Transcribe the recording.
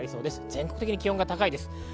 全国的に気温高いです。